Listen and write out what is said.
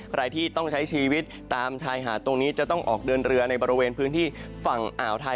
ใครที่ต้องใช้ชีวิตตามชายหาดตรงนี้จะต้องออกเดินเรือในบริเวณพื้นที่ฝั่งอ่าวไทย